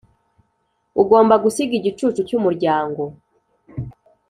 ugomba gusiga igicucu cyumuryango